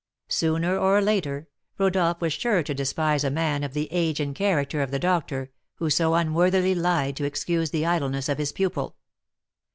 Sooner or later, Rodolph was sure to despise a man of the age and character of the doctor, who so unworthily lied to excuse the idleness of his pupil.